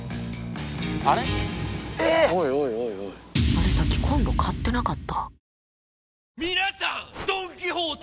あれさっきコンロ買ってなかった？